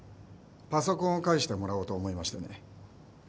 パソコンを返してもらおうと思いましてね。